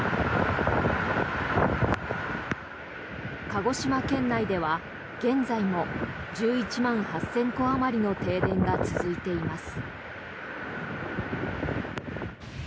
鹿児島県内では現在も１１万８０００戸あまりの停電が続いています。